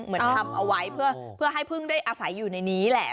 เหมือนทำเอาไว้เพื่อให้พึ่งได้อาศัยอยู่ในนี้แหละ